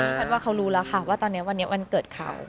แพทย์ว่าเขารู้แล้วค่ะว่าตอนนี้วันนี้วันเกิดเขา